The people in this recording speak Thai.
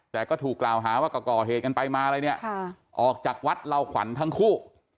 แต่ก็ถูกกล่าวหาว่าก็ก่อเหตุกันไปมาอะไรเนี่ยออกจากวัดเหล่าขวัญทั้งคู่